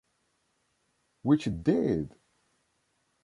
Which it did.